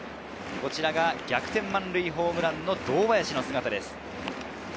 逆転満塁ホームランの堂林の姿です。